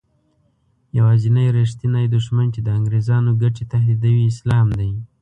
یوازینی رښتینی دښمن چې د انګریزانو ګټې تهدیدوي اسلام دی.